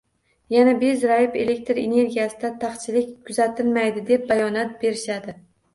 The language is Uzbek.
Yana bezrayib “elektr energiyasida taqchillik kuzatilmaydi” deb bayonot berishadi.